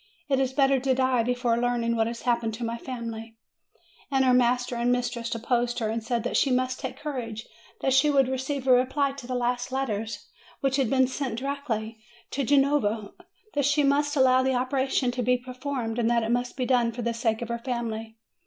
It is better to die before learning what has hap pened to my family." And her master and mistress opposed her, and said that she must take courage, that she would receive a reply to the last letters, which had been sent directly FROM APENNINES TO THE ANDES 285 to Genoa ; that she must allow the operation to be per formed ; that it must be done for the sake of her family.